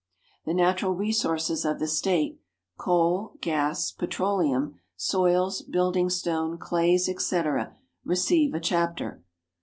The natural resources of the State — coal, gas, i>etroleum, soils, building stone, clays, etc. — receive a chapter.